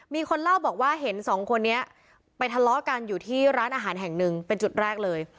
มีคนเล่าบอกว่าเห็นสองคนนี้ไปทะเลาะกันอยู่ที่ร้านอาหารแห่งหนึ่งเป็นจุดแรกเลย